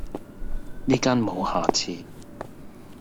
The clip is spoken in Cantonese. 呢間無下次!